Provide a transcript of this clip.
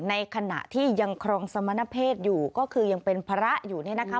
ในขณะที่ยังครองสมณเพศอยู่ก็คือยังเป็นพระอยู่เนี่ยนะคะ